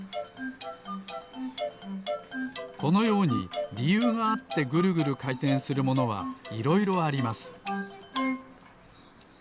このようにりゆうがあってぐるぐるかいてんするものはいろいろあります。